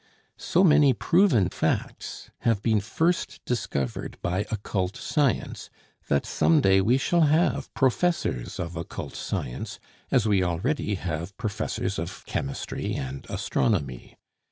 So many proven facts have been first discovered by occult science, that some day we shall have professors of occult science, as we already have professors of chemistry and astronomy.